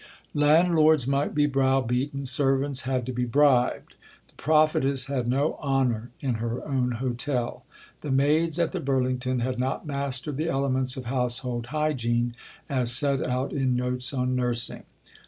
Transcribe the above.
Landlords might be brow beaten; servants had to be bribed. The prophetess had no honour in her own hotel. The maids at the Burlington had not mastered the elements of household hygiene as set out in Notes on Nursing.